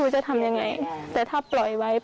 ทุกคนก็เรียกสิทธิ์และครับ